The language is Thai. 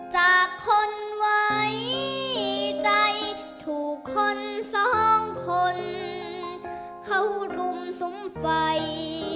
จากคนไว้ใจถูกคนสองคนเข้ารุมซุ้มไฟ